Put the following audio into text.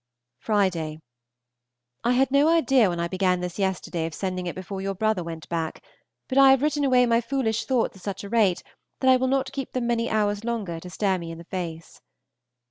Friday. I had no idea when I began this yesterday of sending it before your brother went back, but I have written away my foolish thoughts at such a rate that I will not keep them many hours longer to stare me in the face.